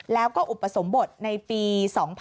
แล้วก็อุปสมบทในปี๒๕๖๒